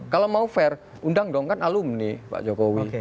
kalau mau fair undang dong kan alumni pak jokowi